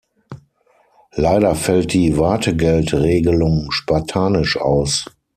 Leider fällt die Wartegeldregelung spartanisch aus.